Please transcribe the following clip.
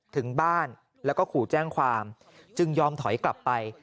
ถึงบ้านแล้วก็ขู่แจ้งความจึงยอมถอยกลับไป